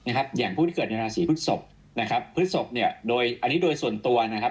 อย่างผู้ที่เกิดในราศรีพฤศพพฤศพอันนี้โดยส่วนตัวนะครับ